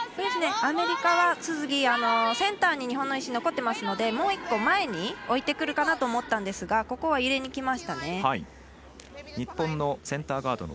アメリカはセンターに日本の石残ってますのでもう１個、前に置いてくるかなと思ったんですがここは入れにきましたね。